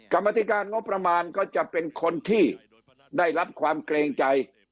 กรรมธิการงบประมาณก็จะเป็นคนที่ได้รับความเกรงใจ